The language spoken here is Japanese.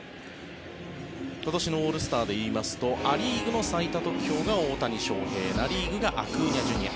今年のオールスターでいいますとア・リーグの最多得票が大谷翔平ナ・リーグがアクーニャＪｒ．。